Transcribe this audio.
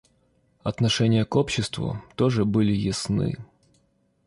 Отношения к обществу тоже были ясны.